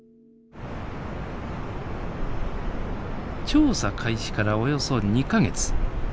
調査開始からおよそ２か月。